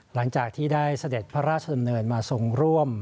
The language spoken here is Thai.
หลังจากที่ได้เสด็จพระราชดำเนินมาทรงร่วม